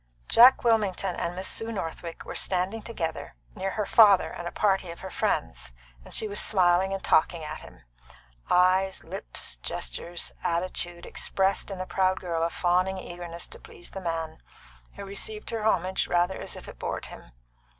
Jack Wilmington and Miss Sue Northwick were standing together near her father and a party of her friends, and she was smiling and talking at him. Eyes, lips, gestures, attitude expressed in the proud girl a fawning eagerness to please the man, who received her homage rather as if it bored him.